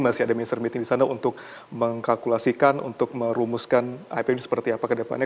masih ada mr meeting di sana untuk mengkalkulasikan untuk merumuskan ip ini seperti apa ke depannya